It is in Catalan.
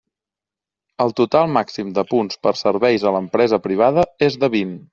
El total màxim de punts per serveis a l'empresa privada és de vint.